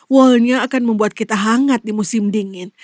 wallnya akan membuat kita hangat di musim dingin